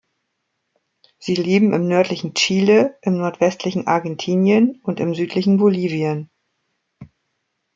Sie leben im nördlichen Chile, im nordwestlichen Argentinien und im südlichen Bolivien.